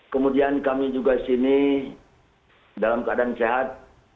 kemudian kami juga di sini dalam keadaan sehat